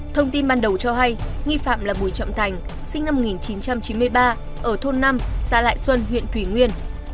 thông tin ban đầu cho hay nghi phạm là bùi trọng thành sinh năm một nghìn chín trăm chín mươi ba ở thôn năm xã lại xuân huyện thủy nguyên